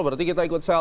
berarti kita ikut sell